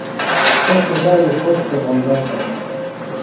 سوۡ خدائی خوۡش پیغمبر دےۡ۔